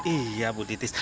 iya bu titis